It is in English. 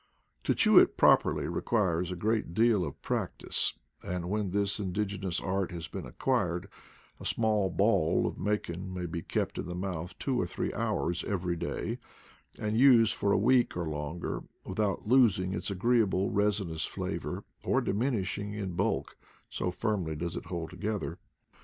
To chew it properly requires a great deal of practice, and when this indigenous art has been acquired a small ball of maken may be kept in the mouth two or three hours every day, and used for a week or longer without losing its agreeable resinous flavor or diminishing ip bulk, so firmly does it hold together.